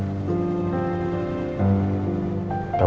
dan selalu mencintai kalian